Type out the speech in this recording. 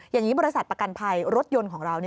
อย่างนี้บริษัทประกันภัยรถยนต์ของเรา